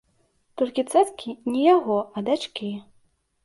Толькі цацкі не яго, а дачкі.